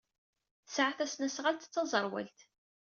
Yesɛa tasnasɣalt d taẓerwalt.